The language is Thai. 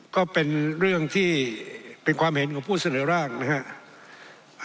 ก็เป็นเรื่องที่เป็นความเห็นของผู้เสนอร่างนะครับ